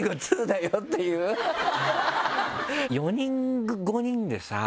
４人５人でさ